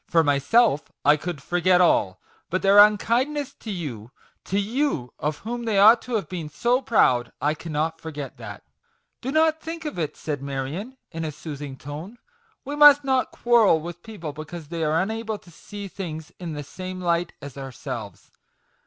For myself, I could forget all ; but their unkind ness to you to you, of whom they ought to have been so proud ; I cannot forget that !" "Do not think of it," said Marion, in a soothing tone ;" we must not quarrel with people because they are unable to see things in the same light as ourselves.